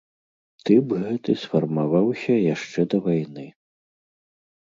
Тып гэты сфармаваўся яшчэ да вайны.